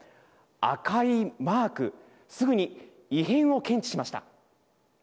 赤いマークすぐに異変を検知しました。